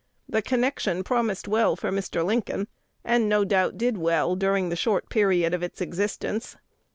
The connection promised well for Mr. Lincoln, and no doubt did well during the short period of its existence.